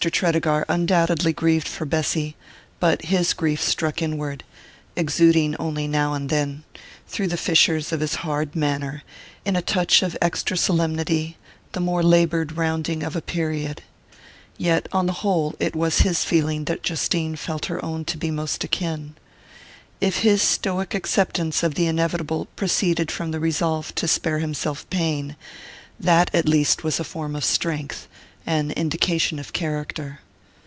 Tredegar undoubtedly grieved for Bessy; but his grief struck inward, exuding only now and then, through the fissures of his hard manner, in a touch of extra solemnity, the more laboured rounding of a period. Yet, on the whole, it was to his feeling that Justine felt her own to be most akin. If his stoic acceptance of the inevitable proceeded from the resolve to spare himself pain, that at least was a form of strength, an indication of character.